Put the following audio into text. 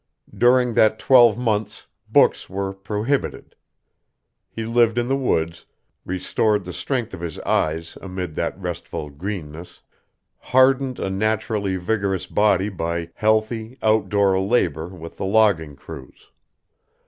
During that twelve months books were prohibited. He lived in the woods, restored the strength of his eyes amid that restful greenness, hardened a naturally vigorous body by healthy, outdoor labor with the logging crews.